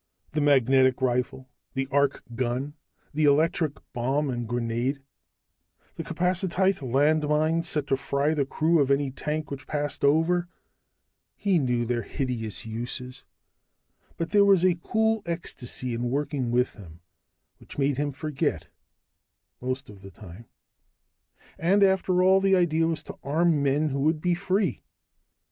The magnetic rifle; the arc gun; the electric bomb and grenade; the capacitite land mine, set to fry the crew of any tank which passed over he knew their hideous uses, but there was a cool ecstasy in working with them which made him forget, most of the time. And after all, the idea was to arm men who would be free.